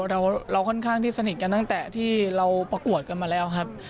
เราค่อนข้างที่สนิทกันตั้งแต่ที่เราประกวดกันมาแล้วครับ